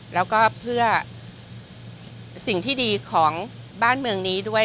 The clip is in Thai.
แล้วก็เพื่อสิ่งที่ดีของบ้านเมืองนี้ด้วย